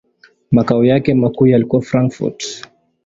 Makao yake makuu yalikuwa Frankfurt.